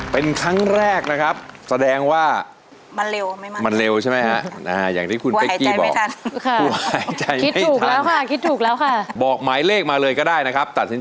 แผ่นที่๑ค่ะ๑นะครับคุณเพื่อนดาราก็เชียร์๑นะครับแต่เชียร์ก็แบบเผินเผินนะเผินเผิน